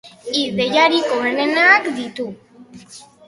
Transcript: Ideiarik hoberenak ditu.